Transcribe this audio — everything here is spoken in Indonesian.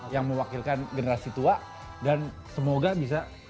yang mewakilkan generasi tua dan semoga bisa